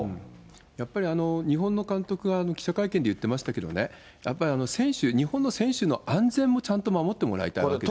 やっぱり、日本の監督が記者会見で言ってましたけどね、やっぱり選手、日本の選手の安全もちゃんと守ってもらいたいですね。